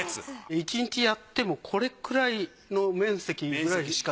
１日やってもこれくらいの面積くらいしか。